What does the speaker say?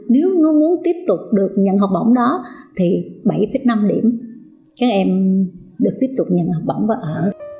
nếu muốn tiếp tục được nhận học bổng đó thì bảy năm điểm các em được tiếp tục nhận học bổng và ở